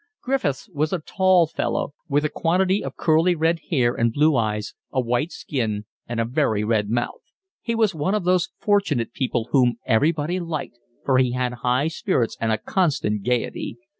Griffiths was a tall fellow, with a quantity of curly red hair and blue eyes, a white skin and a very red mouth; he was one of those fortunate people whom everybody liked, for he had high spirits and a constant gaiety.